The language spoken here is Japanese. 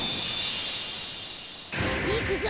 いくぞ！